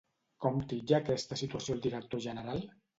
Com titlla aquesta situació el director general?